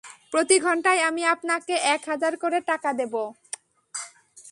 প্রতি ঘন্টায় আমি আপনাকে এক হাজার করে টাকা দেব।